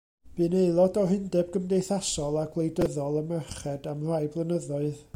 Bu'n aelod o'r Undeb Cymdeithasol a Gwleidyddol y Merched am rai blynyddoedd.